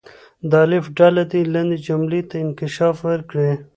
د الف ډله دې لاندې جملې ته انکشاف ورکړي.